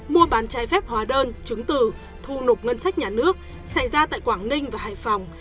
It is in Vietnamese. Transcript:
mua bán trái phép hóa đơn chứng từ thu nộp ngân sách nhà nước xảy ra tại quảng ninh và hải phòng